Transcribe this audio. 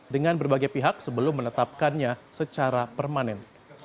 dengan berbagai pihak sebelum menetapkannya secara permanen